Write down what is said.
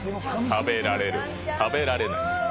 食べられる、食べられない。